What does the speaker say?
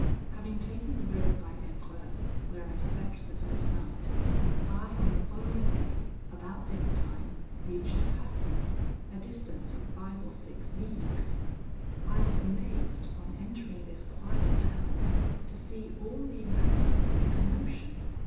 Having taken the road by Evreux, where I slept the first night, I on the following day, about dinner time, reached Passy, a distance of five or six leagues. I was amazed, on entering this quiet town, to see all the inhabitants in commotion.